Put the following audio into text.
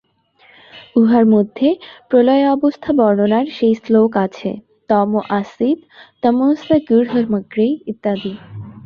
উহার মধ্যে প্রলয়াবস্থা-বর্ণনার সেই শ্লোক আছে তম আসীৎ তমসা গূঢ়মগ্রে ইত্যাদি।